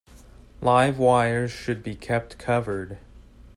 Live wires should be kept covered.